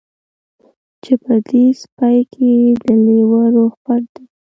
چې په دې سپي کې د لیوه روح پټ دی